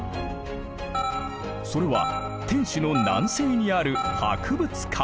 それは天守の南西にある博物館。